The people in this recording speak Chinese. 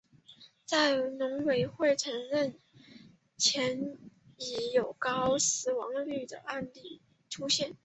在农委会承认前已有高死亡率的案例出现。